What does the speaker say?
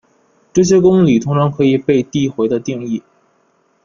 这些公理通常可以被递回地定义。